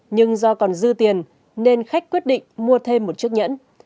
nhưng do còn dư tiền nên khách quyết định mua thêm một chiếc nhẫn